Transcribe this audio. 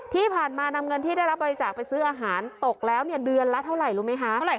ที่ผ่านมานำเงินที่ได้รับบริจาคไปซื้ออาหารตกแล้วเดือนละเท่าไหร่รู้ไหมคะ